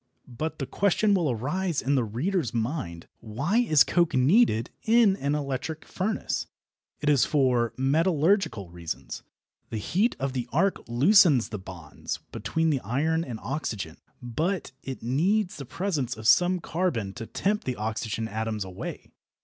But the question will arise in the reader's mind: Why is coke needed in an electric furnace? It is for metallurgical reasons. The heat of the arc loosens the bonds between the iron and oxygen, but it needs the presence of some carbon to tempt the oxygen atoms away.